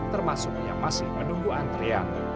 termasuk yang masih menunggu antrian